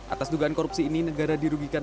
atas dugaan korupsi ini negara dirugikan